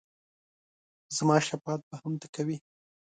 زما شفاعت به هم ته کوې !